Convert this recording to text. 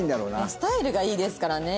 スタイルがいいですからね